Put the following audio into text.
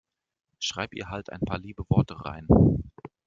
Schreib ihr halt ein paar liebe Worte rein.